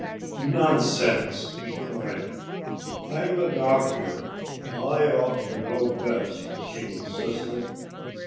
"Nonsense!" he cried. "I'm a doctor; and I ought to know best," she insisted.